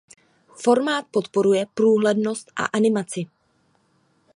Formát podporuje průhlednost a animaci.